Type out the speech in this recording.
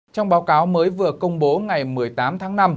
trong báo cáo mới vừa công bố ngày một mươi tám tháng năm